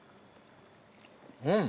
うん。